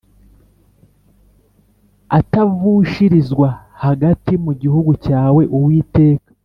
atavushirizwa hagati mu gihugu cyawe Uwiteka